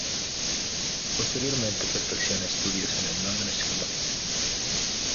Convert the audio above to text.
Posteriormente perfecciona estudios en el London School of Economics.